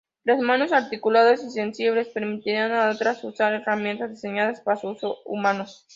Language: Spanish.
Las manos articuladas y sensibles permitirán a Atlas usar herramientas diseñadas para uso humano.